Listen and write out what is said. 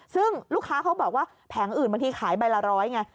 ซึ่งลูกค้าเขาบอกว่าแผงอื่นบางทีขายใบละร้อยไง